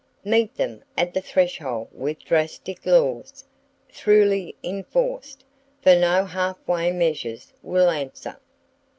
Meet them at the threshold with drastic laws, throughly enforced; for no half way measures will answer.